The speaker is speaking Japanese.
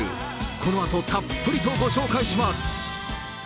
このあとたっぷりとご紹介します。